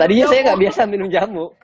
tadinya saya nggak biasa minum jamu